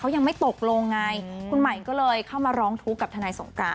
ยังไม่ตกลงไงคุณใหม่ก็เลยเข้ามาร้องทุกข์กับทนายสงการ